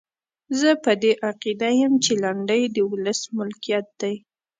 زه په دې عقیده یم چې لنډۍ د ولس ملکیت دی.